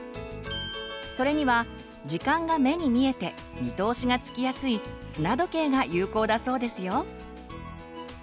それには時間が目に見えて見通しがつきやすい砂時計が有効だそうですよ。